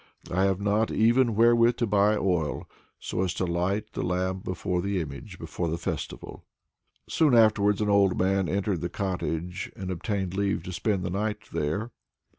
I have not even wherewith to buy oil, so as to light the lamp before the image for the festival!" Soon afterwards an old man entered the cottage, and obtained leave to spend the night there.